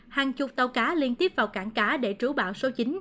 hàng chục tàu cá liên tiếp vào cảng cá để trú bão số chín